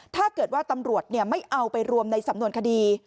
ถ้าเกิดว่าตำรวจไม่เอาไปรวมในสำนวนคดี